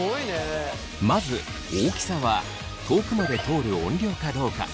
まず大きさは遠くまで通る音量かどうか。